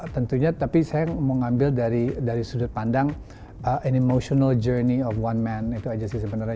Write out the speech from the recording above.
tentunya tapi saya mau mengambil dari sudut pandang an emotional journey of one man itu saja sih sebenarnya